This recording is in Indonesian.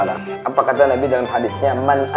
apa kata nabi dalam hadisnya